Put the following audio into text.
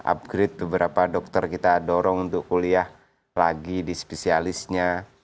upgrade beberapa dokter kita dorong untuk kuliah lagi di spesialisnya